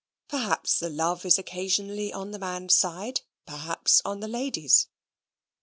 Perhaps the love is occasionally on the man's side; perhaps on the lady's.